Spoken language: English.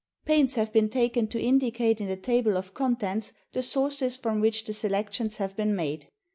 Pains have been taken to indicate in the Table of Contents the sources from which the selections have been made.